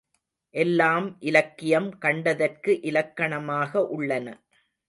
எல்லாம் இலக்கியம் கண்டதற்கு இலக்கணமாக உள்ளன.